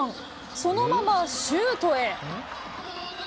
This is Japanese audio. そのままシュートへ。